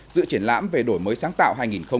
dự triển lãm về đổi mới sáng tạo hai nghìn một mươi chín